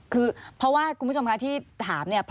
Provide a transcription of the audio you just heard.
คือเพราะว่าคุณผู้ชมคะที่ถามเนี่ย